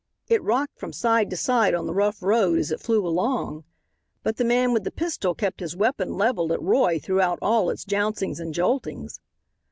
It rocked from side to side on the rough road as it flew along. But the man with the pistol kept his weapon levelled at Roy throughout all its jouncings and joltings.